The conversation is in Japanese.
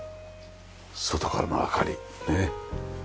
外からの明かりねえ。